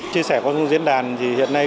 chia sẻ qua du diễn đàn thì hiện nay